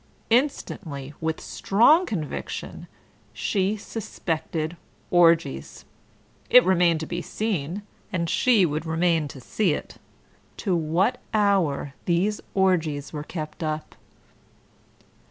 Instantly, with strong conviction, she suspected orgies. It remained to be seen (and she would remain to see it) to what hour these orgies were kept up.